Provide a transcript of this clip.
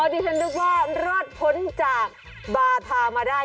อ๋อนี่ฉันดูว่ารวดพ้นจากบาธามาได้